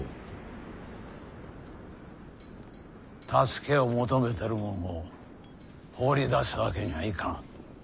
助けを求めてるもんを放り出すわけにはいかん。